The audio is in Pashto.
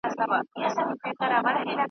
وېروې مي له پېچومو لا دي نه یم پېژندلی `